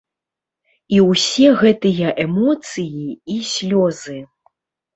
І ўсе гэтыя эмоцыі і слёзы.